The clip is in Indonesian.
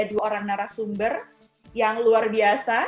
dua orang narasumber yang luar biasa